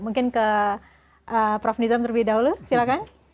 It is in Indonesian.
mungkin ke prof nizam terlebih dahulu silakan